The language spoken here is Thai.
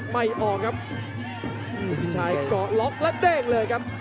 พี่พิชิชัยก็ล็อกและเต้งเลยครับ